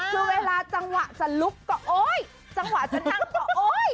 คือเวลาจังหวะจะลุกก็โอ๊ยจังหวะจะนั่งก็โอ๊ย